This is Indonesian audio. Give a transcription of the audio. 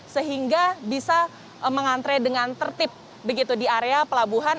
sehingga bisa mengantre dengan tertib begitu di area pelabuhan